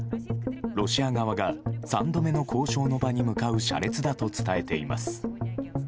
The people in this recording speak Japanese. ロシア側が３度目の交渉の場に向かう車列だと伝えています。